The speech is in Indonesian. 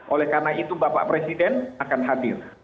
oleh karena itu bapak presiden akan hadir